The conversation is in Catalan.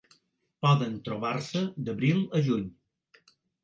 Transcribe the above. Poden trobar-se d'abril a juny.